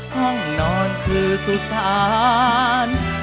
ห้องนอนคือสุสาน